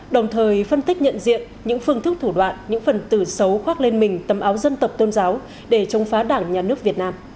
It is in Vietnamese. đồng thời phân tích nhận diện những phương thức thủ đoạn những phần từ xấu khoác lên mình tầm áo dân tộc tôn giáo để chống phá đảng nhà nước việt nam